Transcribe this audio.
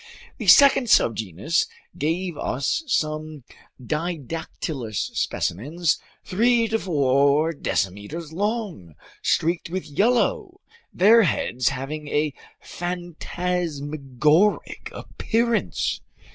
The second subgenus gave us some Didactylus specimens three to four decimeters long, streaked with yellow, their heads having a phantasmagoric appearance.